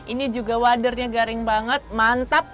ini juga waternya garing banget mantap